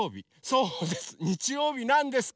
そうです。